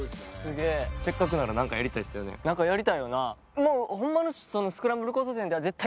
何かやりたいよな。